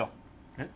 えっ？